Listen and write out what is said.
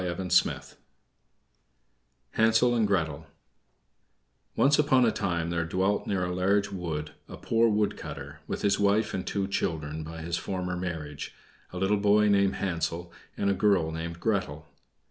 HANSEL AND GRETEL Once upon a time there dwelt near a large wood a poor wood cutter, with his wife and two children by his former marriage, a little boy called Hansel and a girl named Gretel.